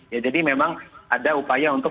ya jadi memang ada upaya untuk